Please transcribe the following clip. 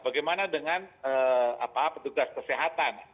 bagaimana dengan petugas kesehatan